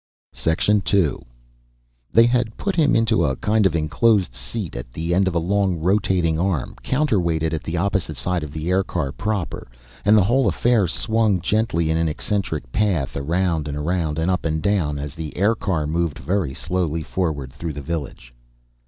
II They had put him into a kind of enclosed seat at the end of a long rotating arm, counter weighted at the opposite side of the aircar proper, and the whole affair swung gently in an eccentric path, around and around, and up and down as the aircar moved very slowly forward through the village.